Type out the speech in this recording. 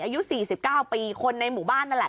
อายุ๔๙ปีคนในหมู่บ้านนั่นแหละ